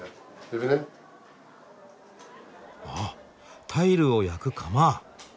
あタイルを焼く窯。